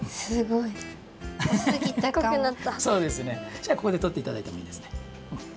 じゃあここでとっていただいてもいいですね。